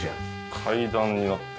階段になってて